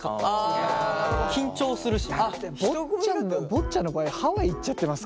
坊ちゃんの場合ハワイ行っちゃってますから。